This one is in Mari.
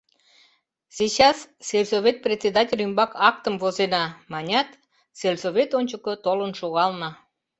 Сейчас сельсовет председатель ӱмбак актым возена, — манят, сельсовет ончыко толын шогална.